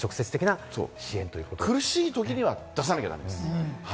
苦しい時には出さなきゃいけないです。